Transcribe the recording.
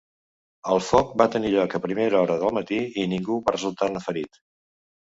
El foc va tenir lloc a primera hora del matí i ningú va resultar-ne ferit.